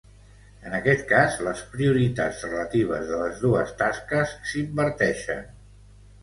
En aquest cas, les prioritats relatives de les dues tasques s'inverteixen.